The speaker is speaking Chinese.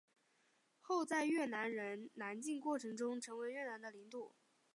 后在越南人南进过程中成为越南的领土。